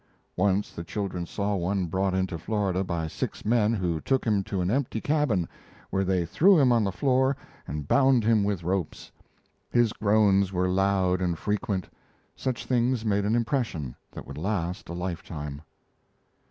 Once the children saw one brought into Florida by six men who took him to an empty cabin, where they threw him on the floor and bound him with ropes. His groans were loud and frequent. Such things made an impression that would last a lifetime.